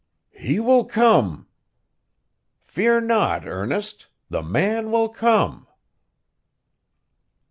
'He will come! Fear not, Ernest; the man will come!